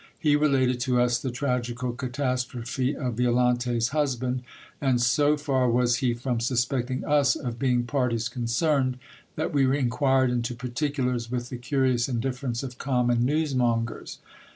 He related to us the tragical catastrophe of Violante's husband ; and so far was he from suspecting us of being parties concerned, that we inquired into particulars with the curious indifference of common newsmongers.